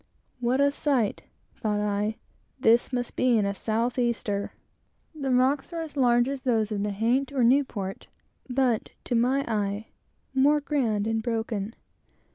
What a sight, thought I, must this be in a south easter! The rocks were as large as those of Nahant or Newport, but, to my eye, more grand and broken.